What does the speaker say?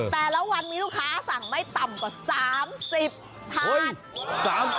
แต่ละวันมีลูกค้าสั่งไม่ต่ำกว่า๓๐ถาด